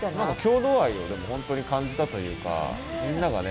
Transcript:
郷土愛をでも本当に感じたというかみんながね